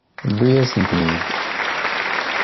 Tewwi-yasen-ten-id.